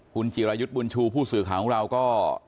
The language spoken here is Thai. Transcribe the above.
คุณจิรายุทธ์บุญชูผู้สื่อข่าวของเราก็